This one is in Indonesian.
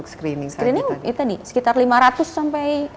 screening itu sekitar lima ratus sampai